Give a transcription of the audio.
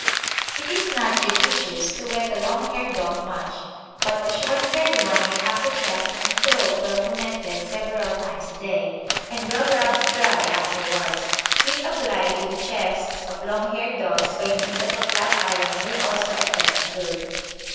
It is not judicious to wet a long haired dog much, but a short haired one may have the chest and throat well fomented several times a day, and well rubbed dry afterwards. Heat applied to the chests of long haired dogs by means of a flat iron will also effect good.